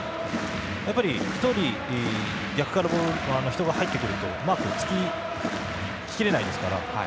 やっぱり１人逆から人が入ってくるとマークがつききれないですから。